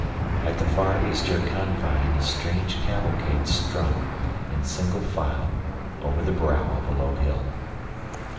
At the far eastern confine a strange cavalcade strung, in single file, over the brow of a low hill.